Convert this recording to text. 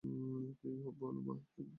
কী বলো মা হেম?